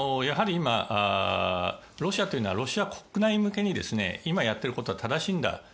やはり今ロシアというのはロシア国内向けに今やっていることは正しいんだ